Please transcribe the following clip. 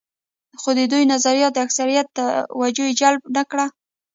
خو د دوی نظریاتو د اکثریت توجه جلب نه کړه.